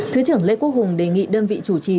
thứ trưởng lê quốc hùng đề nghị đơn vị chủ trì